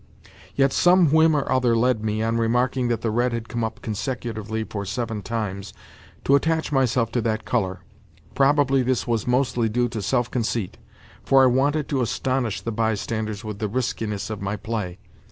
Yet some whim or other led me, on remarking that the red had come up consecutively for seven times, to attach myself to that colour. Probably this was mostly due to self conceit, for I wanted to astonish the bystanders with the riskiness of my play.